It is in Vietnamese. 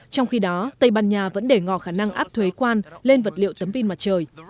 trong khi đó tây ban nha vẫn để ngò khả năng áp thuế quan lên vật liệu tấm pin mặt trời